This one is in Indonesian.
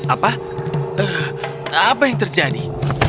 apa apa yang terjadi